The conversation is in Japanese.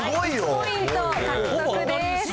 １ポイント獲得です。